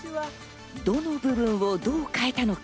どの部分をどう変えたのか？